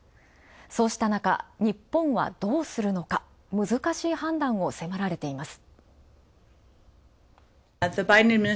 そうしたなか日本はどうするのか、難しい判断を迫られています。